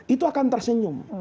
itu akan tersenyum